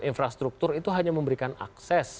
infrastruktur itu hanya memberikan akses